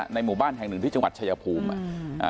หมู่บ้านแห่งหนึ่งที่จังหวัดชายภูมิอ่ะ